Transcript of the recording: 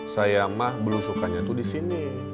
sayamah belusukannya tuh di sini